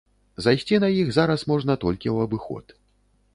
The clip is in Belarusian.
Зайсці на іх зараз можна толькі ў абыход.